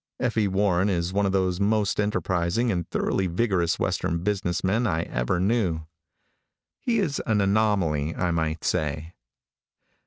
F. E. Warren is one of the most enterprising and thoroughly vigorous western business men I ever knew. He is an anomaly, I might say.